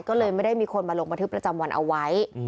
ก็เลยไม่ได้มีคนมาลงบันทึกประจำวันเอาไว้